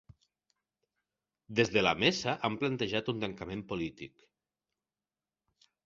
Des de la mesa han plantejat un tancament polític.